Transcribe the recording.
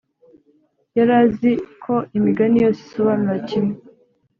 yari azi ko imigani yose isobanura kimwe,